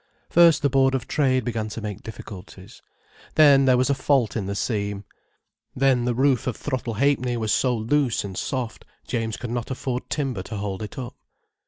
First the Board of Trade began to make difficulties. Then there was a fault in the seam. Then the roof of Throttle Ha'penny was so loose and soft, James could not afford timber to hold it up.